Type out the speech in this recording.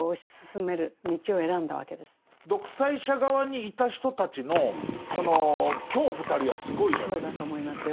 独裁者側にいた人たちのその恐怖たるやすごいじゃないですか。